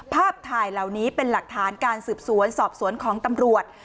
ภาพถ่ายเหล่านี้เป็นหลักฐานการสืบสวนสอบสวนของตำรวจ